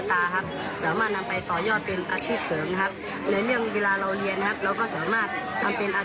และก็สามารถนำไปต่อยอดเป็นอาชิบเสริมเวลาที่เราจบไป